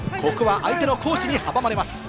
相手の好守に阻まれます。